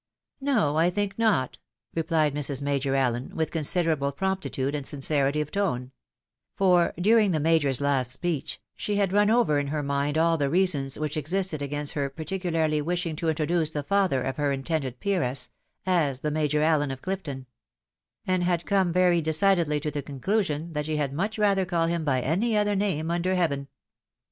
"" No, I' think not," repUed Mrs. Major Allen, with consider able promptitude and sincerity of tone ; for, during the Major's last speech, she had run over in her mind all the reasons which existed against her particularly wishing to introduce the father THE MAJOR PROPOSES TO CHANGE HIS NAME. 29 of her intended peeress, as the Major Allen of CHfton ; and had come very decidedly to the conclusion that she had much rather call him by any other name under heaven.